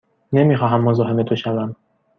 نمی خواهم مزاحم تو شوم.